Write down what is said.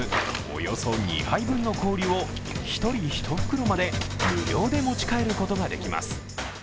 およそ２杯分の氷を１人１袋まで無料で持ち帰ることができます。